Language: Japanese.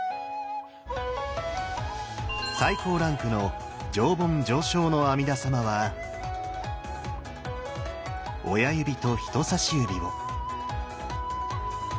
最高ランクの上品上生の阿弥陀様は親指と人さし指を。